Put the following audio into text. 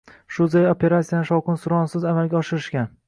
Shu zayl operatsiyani shovqin-suronsiz amalga oshirishgan